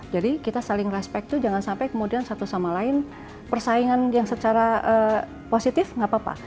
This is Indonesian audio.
jadi kita saling respect tuh jangan sampai kemudian satu sama lain persaingan yang secara positif nggak apa apa